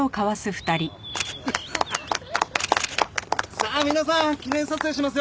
さあ皆さん記念撮影しますよ。